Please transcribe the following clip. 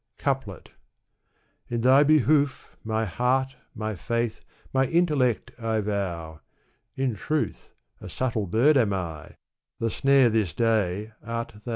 Couplet. In thy behoof, my heart, my feith, my intellect, I vow ; In truth, a subtle bird am I ; the snare this day art thou.